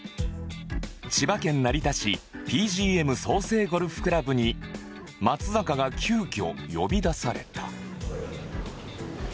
千葉県成田市 ＰＧＭ 総成ゴルフクラブに松坂が急遽呼び出された